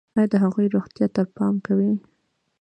ایا د هغوی روغتیا ته پام کوئ؟